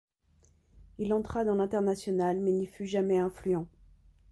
Il entra dans l'Internationale mais n'y fut jamais influent.